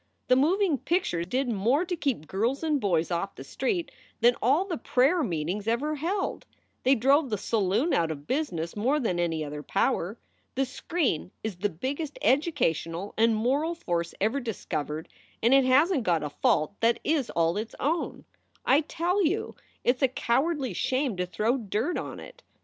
The moving picture did more to keep girls and boys off the streets than all the prayer meetings ever held. They drove the saloon out of business more than any other power. The screen is the biggest educational and moral force ever discovered and it hasn t got a fault that is all its own. I tell you it s a cowardly shame to throw dirt on it.